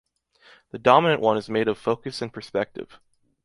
The dominant one is made of focus and perspective.